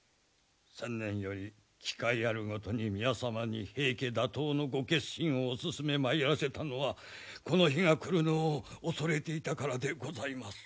先年より機会あるごとに宮様に平家打倒のご決心をおすすめまいらせたのはこの日が来るのを恐れていたからでございます。